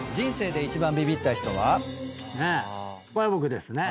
これは僕ですね。